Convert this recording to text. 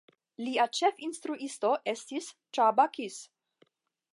Lia ĉefinstruisto estis Csaba Kiss.